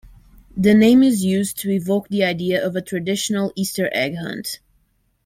The name is used to evoke the idea of a traditional Easter egg hunt.